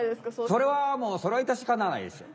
それはもういたしかたないですよ。